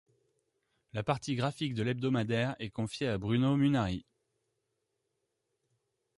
La partie graphique de l'hebdomadaire est confiée à Bruno Munari.